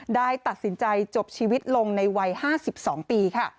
ได้ตัดสินใจจบชีวิตลงในวัย๕๒ปี